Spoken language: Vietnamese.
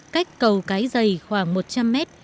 cách cầu cái dày khoảng một trăm linh mét